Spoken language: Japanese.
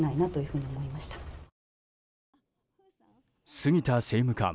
杉田政務官